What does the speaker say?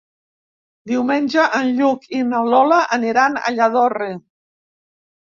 Diumenge en Lluc i na Lola aniran a Lladorre.